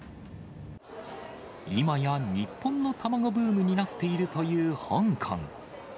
今や日本の卵ブームになっているという香港。